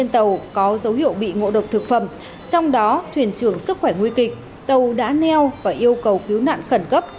tàu có dấu hiệu bị ngộ độc thực phẩm trong đó thuyền trưởng sức khỏe nguy kịch tàu đã neo và yêu cầu cứu nạn khẩn cấp